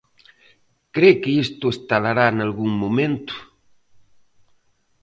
Cre que isto estalará nalgún momento?